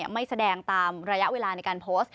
ไม่แสดงตามระยะเวลาในการโพสต์